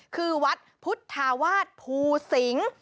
คือวัดพุทธาวาสภูสิงศ์